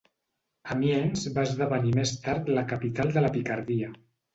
Amiens va esdevenir més tard la capital de la Picardia.